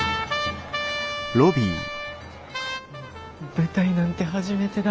舞台なんて初めてだ。